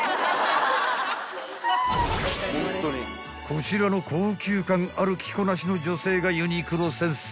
［こちらの高級感ある着こなしの女性がユニクロ先生］